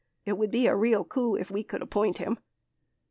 It would be a real coup if we could appoint him.